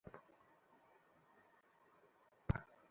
তার ভেতর উল্লেখযোগ্য হচ্ছে খাওয়াদাওয়া বন্ধ করে রোদে বসে থাকা।